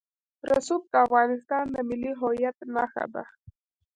رسوب د افغانستان د ملي هویت نښه ده.